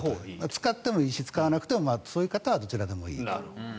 使ってもいいし使わなくてもそういう人に関してはどっちでもいい。